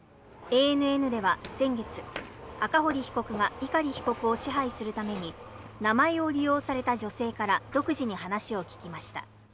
ＡＮＮでは先月、赤堀被告が碇被告を支配するために名前を利用された女性から独自に話を聞きました。